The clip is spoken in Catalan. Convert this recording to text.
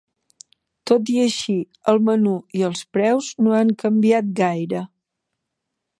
Tot i així, el menú i els preus no han canviat gaire.